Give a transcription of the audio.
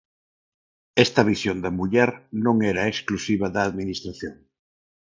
Esta visión da muller non era exclusiva da administración.